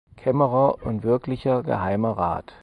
Kämmerer und Wirklicher Geheimer Rat.